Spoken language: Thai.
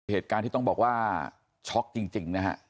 เหตุการณ์ที่ต้องบอกว่าช็อกจริงนะฮะ